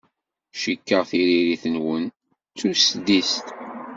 Cikkeɣ tiririt-nwent d tusdidt.